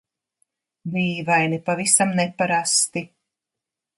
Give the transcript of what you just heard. Dīvaini, pavisam neparasti..